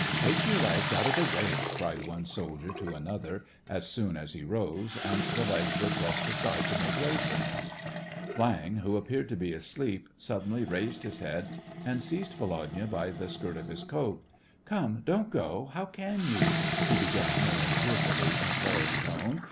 " Take your legs out of the way !" cried one soldier to another, as soon as he rose, and the legs were pressed aside to make way for him. Viang, who appeared to be asleep, suddenly raised his head, and seized Volodya by the skirt of his coat. Come, don't go ! how can you !" he began, in a tearfully imploring tone.